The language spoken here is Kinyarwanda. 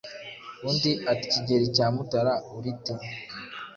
Undi ati "Kigeli cya Mutara urite ,